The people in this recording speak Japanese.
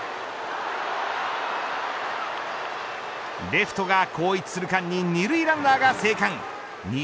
レフトが後逸する間に２塁ランナーが生還。